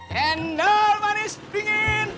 cendol manis dingin